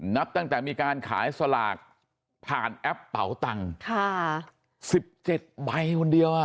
นับตั้งแต่มีการขายสลากผ่านแอปเป๋าตังค์๑๗ใบคนเดียวอ่ะ